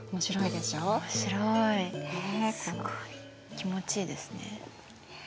気持ちいいですね。